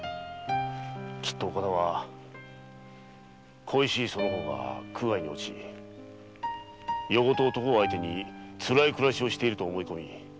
きっと岡田は恋しいその方が苦界に落ち夜ごと男を相手につらい暮らしをしていると思い